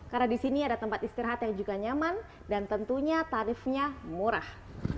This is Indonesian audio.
karena di sini ada tempat istirahat yang juga nyaman dan tentunya tarifnya murah